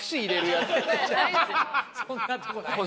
そんなとこないねん。